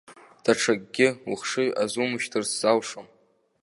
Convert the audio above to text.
Даҽакгьы ухшыҩ азумышьҭырц залшом.